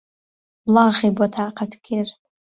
وڵاغی بۆ تاقهت کرد